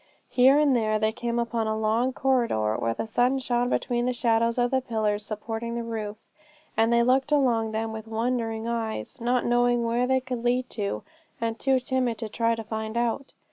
Here and there they came upon a long corridor, where the sun shone between the shadows of the pillars supporting the roof; and they looked along them with wondering eyes, not knowing where they could lead to, and too timid to try to find out.